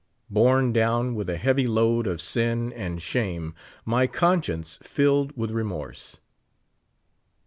Borne down with a heavy load of sin and shame, my conscience filled with re morse.